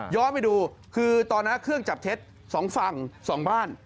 ไปดูคือตอนนั้นเครื่องจับเท็จ๒ฝั่ง๒บ้าน